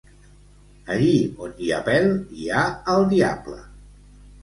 Allí on hi ha pèl hi ha el diable.